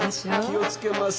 気を付けます。